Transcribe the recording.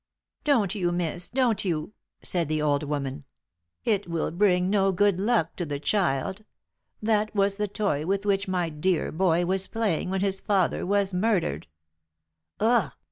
"Don't you, miss, don't you!" said the old woman. "It will bring no good luck to the child. That was the toy with which my dear boy was playing when his father was murdered!" "Ugh!"